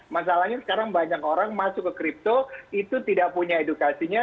masalahnya sekarang banyak orang masuk ke crypto itu tidak punya edukasinya